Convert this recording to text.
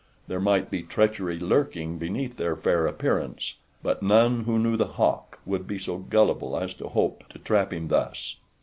There might be treachery lurking beneath their fair appearance; but none who knew The Hawk would be so gullible as to hope to trap him thus.